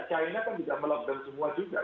china kan juga melockdown semua juga